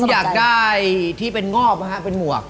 อยากได้ที่เป็นงอบนะฮะเป็นหมวก